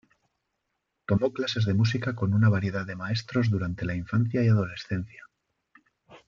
Tomó clases de música con una variedad de maestros durante la infancia y adolescencia.